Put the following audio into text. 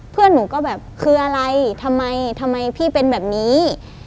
เพื่อนหนูก็แบบคืออะไรทำไมทำไมพี่เป็นแบบนี้